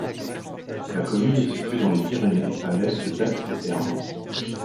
La commune est située dans les Pyrénées à l'est d'Ax-les-Thermes.